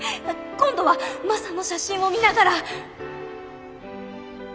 今度はマサの写真を見ながら。